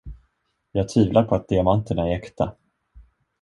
Jag tvivlar på att diamanterna är äkta.